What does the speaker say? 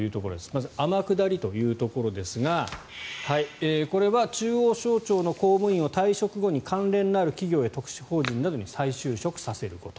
まず天下りというところですがこれは中央省庁の公務員を退職後に関連のある企業や特殊法人などに再就職させること。